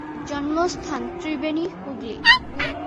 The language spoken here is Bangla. জন্মস্থান ত্রিবেণী, হুগলী।